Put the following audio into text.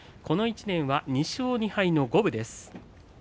この１年は２勝２敗の五分です。